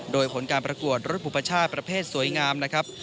โดยผลการประกวดรถบุปชาติประเภทสวยงามนะครับ